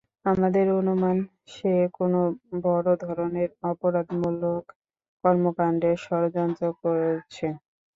আমাদের অনুমান, সে কোনো বড় ধরণের অপরাধমূলক কর্মকাণ্ডের ষড়যন্ত্র করছে।